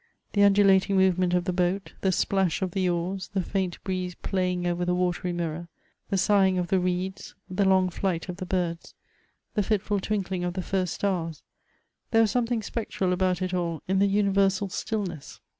The undulating movement of the boat, the splash of the oars, the faint breeze playing over the watery miiTor, the sighing of the reeds, the long flight of the birds, the fitful twinkling of the first stars — there was something spectral about it all in the universal still ness.